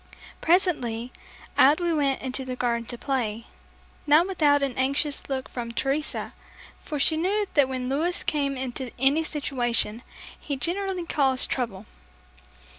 Presently, out we went into the garden to play, not without an anxious look from Teresa, for she knew that when Louis came into any situation, he generally caused trouble.